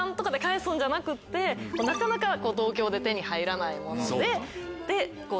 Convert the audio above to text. なかなか東京で手に入らないもので。